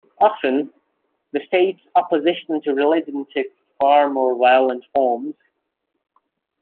Often, the state's opposition to religion took more violent forms.